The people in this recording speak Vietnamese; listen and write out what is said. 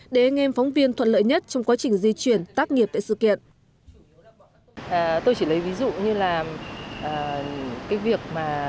để nghe phóng viên thuận lợi nhất trong quá trình di chuyển tác nghiệp tại sự kiện